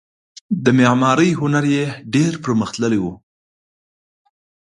د معمارۍ هنر یې ډیر پرمختللی و